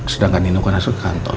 sedangkan nino kan masuk ke kantor